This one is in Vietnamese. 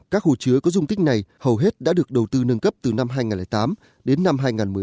các hồ chứa có dung tích này hầu hết đã được đầu tư nâng cấp từ năm hai nghìn tám đến năm hai nghìn một mươi bảy